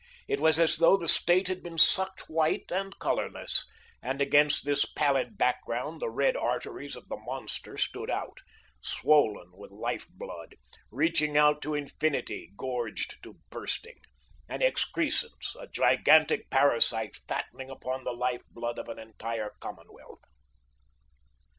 It was as though the State had been sucked white and colourless, and against this pallid background the red arteries of the monster stood out, swollen with life blood, reaching out to infinity, gorged to bursting; an excrescence, a gigantic parasite fattening upon the life blood of an entire commonwealth.